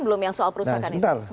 belum yang soal perusahaan itu